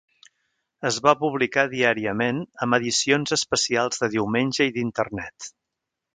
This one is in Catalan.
Es va publicar diàriament amb edicions especials de diumenge i d'Internet.